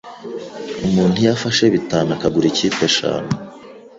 Umuntu iyo afashe bitanu akagura ikipe eshanu